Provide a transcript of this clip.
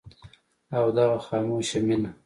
او دغه خاموشه مينه